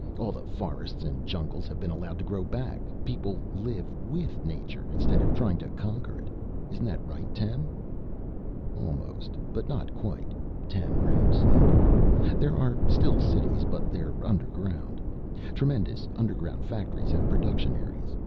All the forests and jungles have been allowed to grow back. People live with nature instead of trying to conquer it. Isn't that right, Tem?" "Almost but not quite," Tem Rend said. "There are still cities, but they're underground. Tremendous underground factories and production areas.